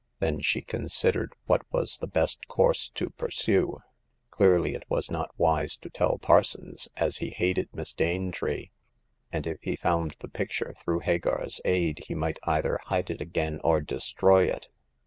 Then she considered what was the best course to pursue. Clearly it was not wise to tell Parsons, as he hated Miss Dane tree, and it he found the picture through Hagar's aid he might either hide it again or destroy it.